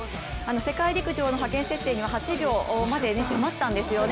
世界陸上の派遣設定には８秒まで迫ったんですよね。